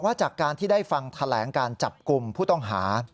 จากการที่ได้ฟังแถลงการจับกลุ่มผู้ต้องหา